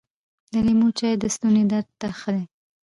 د لیمو چای د ستوني درد ته ښه دي .